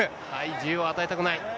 自由を与えたくない。